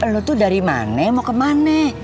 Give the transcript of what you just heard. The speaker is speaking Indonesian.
lu tuh dari mana mau kemana